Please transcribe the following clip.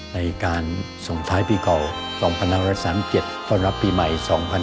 ในการส่งท้ายปีเก่า๒๕๓๗ต้อนรับปีใหม่๒๕๖๒